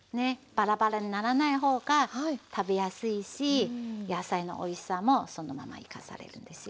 バラバラにならない方が食べやすいし野菜のおいしさもそのまま生かされるんですよね。